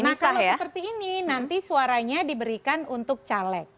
nah kalau seperti ini nanti suaranya diberikan untuk caleg